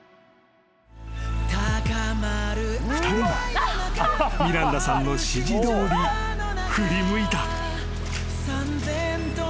［２人はミランダさんの指示どおり振り向いた］